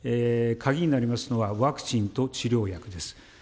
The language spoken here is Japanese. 鍵になりますのは、ワクチンと治療薬です。